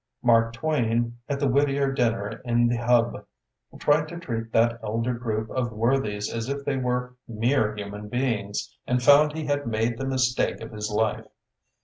Mark Twain at the Whit tier dinner in the Hub, tried to treat that elder group of worthier as if they were mere human beings, and found he had made the mistake of his life.